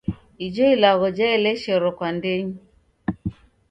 Ijo ilagho jaeleshero kwa ndenyi.